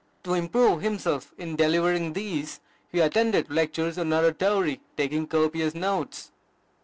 To improve himself in delivering these, he attended lectures on oratory, taking copious notes.